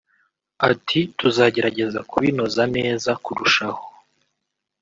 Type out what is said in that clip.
Ati “Tuzagerageza kubinoza neza kurushaho